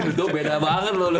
itu beda banget loh